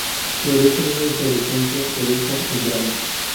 Florece en una inflorescencia erecta en verano.